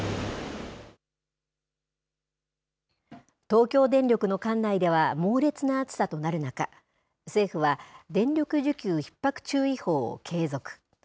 東京電力の管内では猛烈な暑さとなる中、政府は、電力需給ひっ迫注意報を継続。